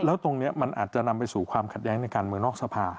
แล้วตรงนี้มันอาจจะนำไปสู่ความขัดแย้งในการเมืองนอกสภา